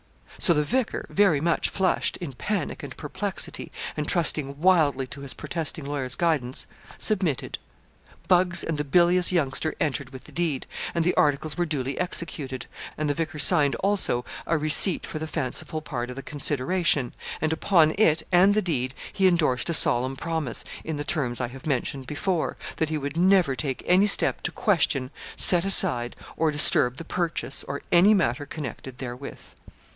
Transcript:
So the vicar, very much flushed, in panic and perplexity, and trusting wildly to his protesting lawyer's guidance, submitted. Buggs and the bilious youngster entered with the deed, and the articles were duly executed, and the vicar signed also a receipt for the fanciful part of the consideration, and upon it and the deed he endorsed a solemn promise, in the terms I have mentioned before, that he would never take any step to question, set aside, or disturb the purchase, or any matter connected therewith.